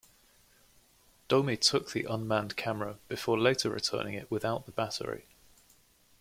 Domi took the unmanned camera before later returning it without the battery.